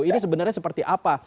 ini sebenarnya seperti apa